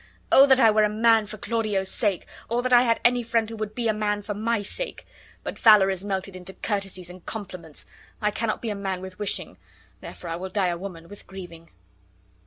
Oh, that I were a man for Claudio's sake! or that I had any friend who would be a man for my sake! But valor is melted into courtesies and compliments. I cannot be a man with wishing, therefore I will die a woman with grieving."